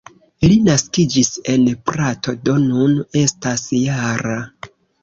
Li naskiĝis en Prato, do nun estas -jara.